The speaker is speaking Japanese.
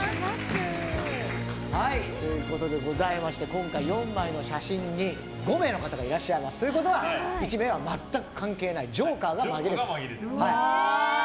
今回４枚の写真に５名の方がいらっしゃいます。ということは１名は全く関係ないジョーカーがまぎれている。